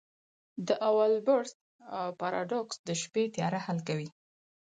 د اولبرس پاراډوکس د شپې تیاره حل کوي.